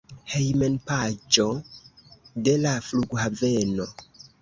Hejmpaĝo de la flughaveno.